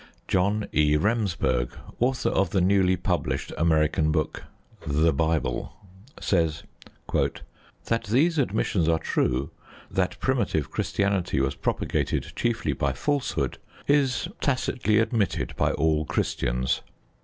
John E. Remsburg, author of the newly published American book, The Bible, says: That these admissions are true, that primitive Christianity was propagated chiefly by falsehood, is tacitly admitted by all Christians.